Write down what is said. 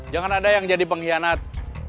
jangan ada yang jadi pengkhianat